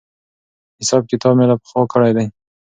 حساب کتاب مې له پخوا کړی دی.